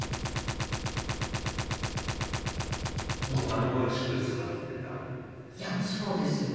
女の子らしく育ててたんですね？